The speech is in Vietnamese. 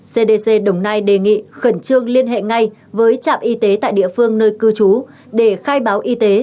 cdc đồng nai đề nghị khẩn trương liên hệ ngay với trạm y tế tại địa phương nơi cư trú để khai báo y tế